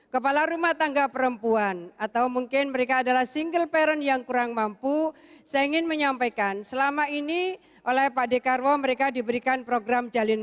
kepala rumah tangga perempuan atau mungkin mereka adalah single parent yang kurang mampu saya ingin menyampaikan selama ini oleh pak dekarwo mereka diberikan program jalin